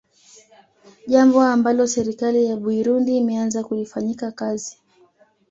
Jambo ambalo serikali ya Buirundi imeanza kulifanyika kazi